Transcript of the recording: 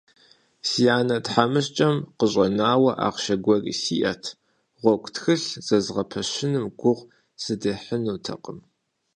Си анэ тхьэмыщкӀэм къыщӀэнауэ ахъшэ гуэри сиӀэт – гъуэгу тхылъ зэзгъэпэщыным гугъу сыдехьынутэкъым…